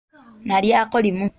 Nalyako limu.